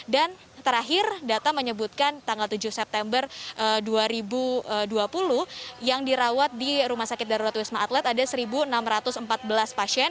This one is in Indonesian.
dan terakhir data menyebutkan tanggal tujuh september dua ribu dua puluh yang dirawat di rumah sakit darurat wisma atlet ada satu enam ratus empat belas pasien